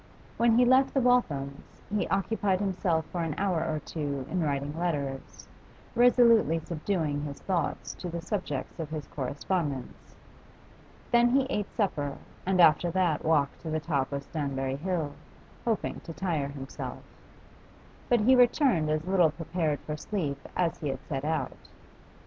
When he left the Walthams, he occupied himself for an hour or two in writing letters, resolutely subduing his thoughts to the subjects of his correspondence. Then he ate supper, and after that walked to the top of Stanbury Hill, hoping to tire himself. But he returned as little prepared for sleep as he had set out.